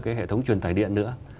cái hệ thống truyền tải điện nữa